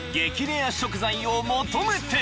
レア食材を求めて］